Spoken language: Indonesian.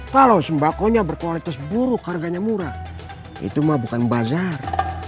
kalau sembakonya berkualitas buruk harganya murah itu mah bukan bazar